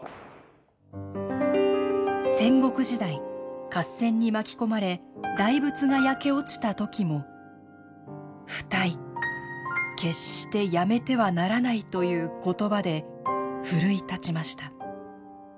戦国時代合戦に巻き込まれ大仏が焼け落ちた時も不退決してやめてはならないという言葉で奮い立ちました。